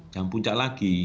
jam puncak lagi